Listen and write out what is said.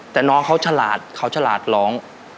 แต่น้องเขาชลาดร้อง